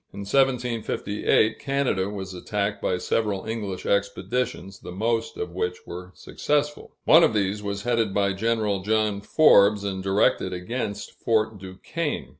In 1758, Canada was attacked by several English expeditions, the most of which were successful. One of these was headed by General John Forbes, and directed against Fort Duquesne.